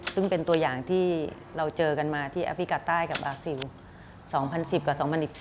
ซึ่งเป็นตัวอย่างที่เราเจอกันมาที่แอฟริกาใต้กับบาซิล๒๐๑๐กับ๒๐๑๘